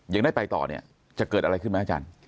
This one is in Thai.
ยังได้ไปต่อเนี่ยจะเกิดอะไรขึ้นไหมอาจารย์